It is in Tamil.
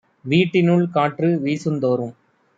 வீட்டினுள் காற்று வீசுந் தோறும்